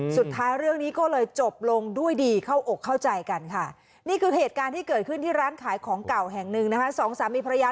สุดท้ายเรื่องนี้ก็เลยจบลงด้วยดีเข้าอกเข้าใจกันค่ะนี่คือเหตุการณ์ที่เกิดขึ้นที่ร้านขายของเก่าแห่งหนึ่งนะคะสองสามีภรรยา